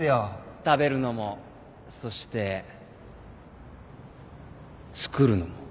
食べるのもそして作るのも